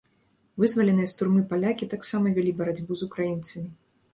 Вызваленыя з турмы палякі таксама вялі барацьбу з украінцамі.